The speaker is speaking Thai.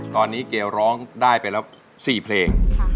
ตอนนี้เกลร้องได้ไปแล้ว๔เพลง